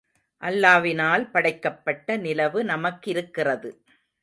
அல்லாவினால் படைக்கப்பட்ட நிலவு நமக்கிருக்கிறது.